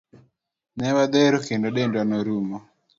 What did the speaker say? Ne wadhero kendo dendwa norumo.